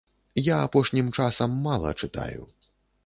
Я апошнім часам мала чытаю.